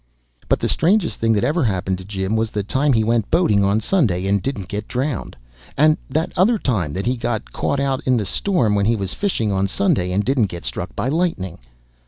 But the strangest thing that ever happened to Jim was the time he went boating on Sunday, and didn't get drowned, and that other time that he got caught out in the storm when he was fishing on Sunday, and didn't get struck by lightning.